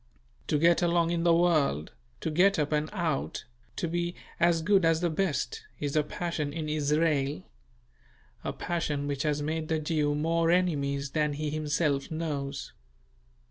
To get along in the world, to get up and out, to be "as good as the best," is a passion in Israel; a passion which has made the Jew more enemies than he himself knows.